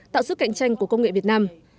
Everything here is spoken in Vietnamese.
tạo sức cạnh tranh của công nghệ việt nam